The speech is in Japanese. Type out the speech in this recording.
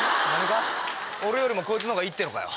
俺よりもこいつのほうがいいってのかよ？